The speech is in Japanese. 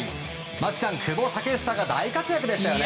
松木さん、久保建英が大活躍でしたね。